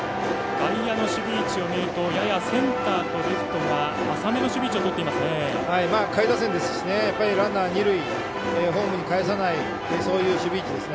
外野の守備位置を見るとややセンターとレフトが下位打線なのでランナー、二塁ホームにかえさないそういう守備位置ですね。